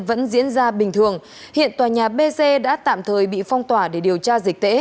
vẫn diễn ra bình thường hiện tòa nhà bc đã tạm thời bị phong tỏa để điều tra dịch tễ